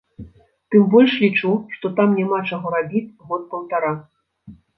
Тым больш лічу, што там няма чаго рабіць год-паўтара.